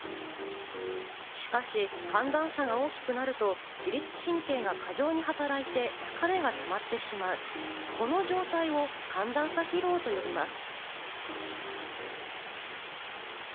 しかし、寒暖差が大きくなると自律神経が過剰に働いて、疲れが溜まってしまう、この状態を寒暖差疲労と呼びます。